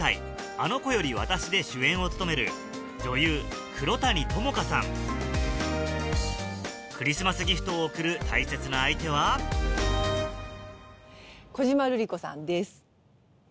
『あの子より、私。』で主演を務めるクリスマスギフトを贈る大切な相手は小島瑠璃子さんです。